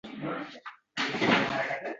Bosh ko’tarmas erlar